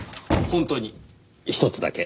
本当に１つだけ。